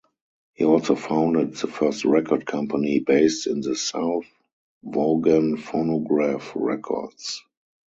He also founded the first record company based in the South, Vaughan Phonograph Records.